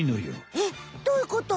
えっどういうこと？